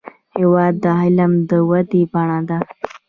هېواد د علم د ودې بڼه ده.